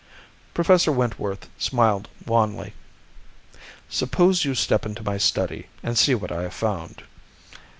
Professor Wentworth smiled wanly. "Suppose you step into my study and see what I have found."